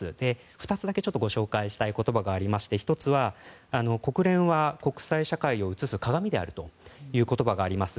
２つだけご紹介したい言葉がありまして１つは、国連は国際社会を映す鏡であるという言葉があります。